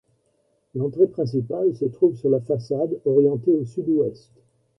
L'entrée principale se trouve sur la façade orientée au sud-ouest.